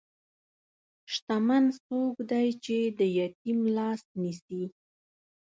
شتمن څوک دی چې د یتیم لاس نیسي.